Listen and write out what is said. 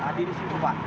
tadi disitu pak